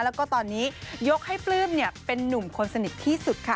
แล้วก็ตอนนี้ยกให้ปลื้มเป็นนุ่มคนสนิทที่สุดค่ะ